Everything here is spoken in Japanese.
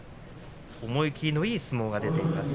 思い切りのいい相撲が出ています